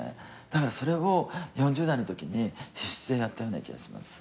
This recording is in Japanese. だからそれを４０代のときに必死でやったような気がします。